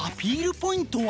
ポイントは？